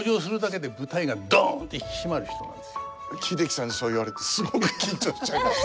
英樹さんにそう言われるとすごく緊張しちゃいます。